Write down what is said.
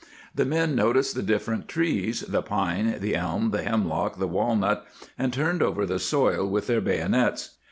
The men noticed the different trees, the pine, the elm, the hemlock, the walnut, and turned over the soil with their bayonets.